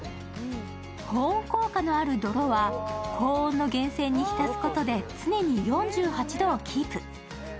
保温効果のある泥は、高温の源泉に浸すことで、常に４８度をキープ。